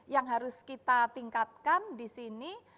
yang harus kita tingkatkan disini